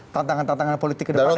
tantangan tantangan politik ke depan ini